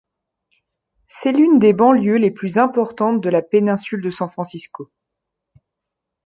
C'est l'une des banlieues les plus importantes de le péninsule de San Francisco.